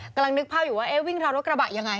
กำลังนึกภาพอยู่ว่าเอ๊ะวิ่งราวรถกระบะยังไง